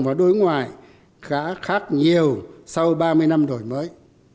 và đối ngoại khá khác nhiều sau ba mươi năm đổi mới